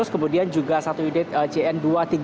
kemudian juga satu unit jn dua ratus tiga puluh